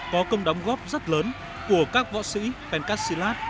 có công đóng góp rất lớn của các võ sĩ pencastilat